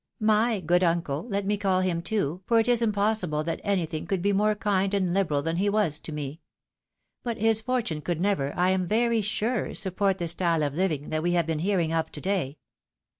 My good uncle, let me call liim too, for it is impossible that anything could be more kind and hberal than he was to me. But his fortime could never, I am very sure, support the style of living that we have been ■ hearing of to day."